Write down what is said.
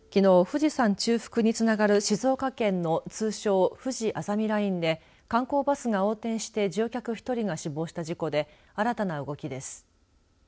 富士山中腹につながる静岡県の通称、ふじあざみラインで観光バスが横転して乗客１人が死亡した事故で新たな動きです。